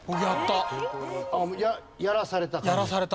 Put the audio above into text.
やらされた。